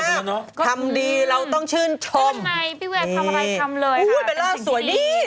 เป็นเบลล่าโลกไหมก็บอกว่านี้